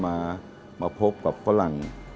มาพบกับฝรั่ง